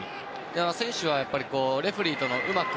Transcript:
選手はやっぱりレフェリーの、うまく。